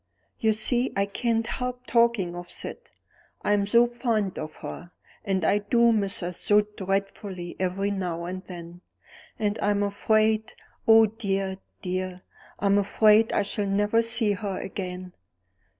"You see, I can't help talking of Syd, I'm so fond of her; and I do miss her so dreadfully every now and then; and I'm afraid oh, dear, dear, I'm afraid I shall never see her again!"